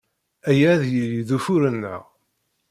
Aya ad yili d ufur-nneɣ.